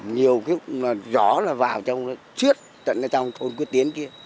nhiều cái gió là vào trong đó chuyết tận trong thôn quyết tiến kia